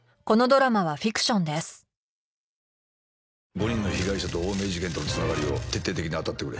５人の被害者と青梅事件との繋がりを徹底的に当たってくれ。